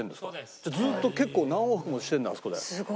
じゃあずっと結構何往復もしてるんだあそこで。